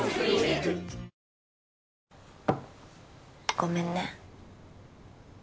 ごめんね